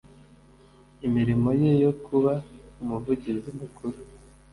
imirimo ye yo kuba umuvugizi mukuru